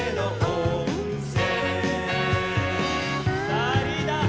さあリーダー